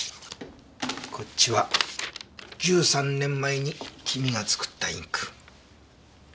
こっちは１３年前に君が作ったインク。